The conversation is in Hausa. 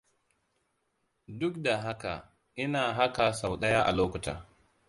Duk da haka ina haka sau ɗaya a lokuta.